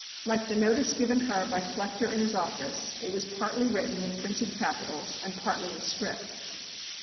Like the notice given her by Flechter in his office, it was partly written in printed capitals and partly in script.